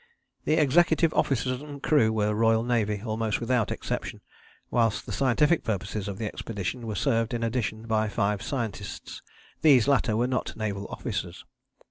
The executive officers and crew were Royal Navy almost without exception, whilst the scientific purposes of the expedition were served in addition by five scientists. These latter were not naval officers.